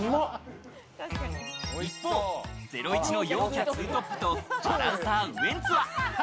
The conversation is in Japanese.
一方、『ゼロイチ』の陽キャ２トップとバランサーウエンツは。